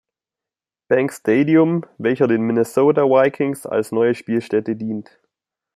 Bank Stadium, welcher den Minnesota Vikings als neue Spielstätte dient.